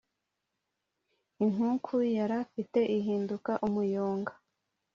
Inkuku yari afite ihinduka umuyonga,